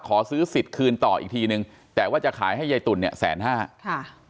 ขอซื้อสิทธิ์คืนต่ออีกทีนึงแต่ว่าจะขายให้ยายตุ๋นเนี่ยแสนห้าค่ะ